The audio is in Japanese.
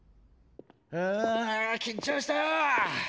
あ緊張したぁ！